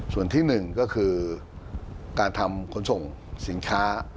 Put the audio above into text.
ส่วนที่หนึ่งก็คือการทำขนส่งสินค้า